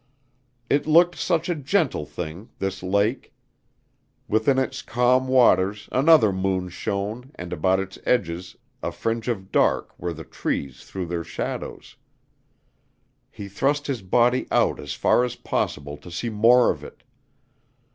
It looked such a gentle thing this lake. Within its calm waters another moon shone and about its edges a fringe of dark where the trees threw their shadows. He thrust his body out as far as possible to see more of it.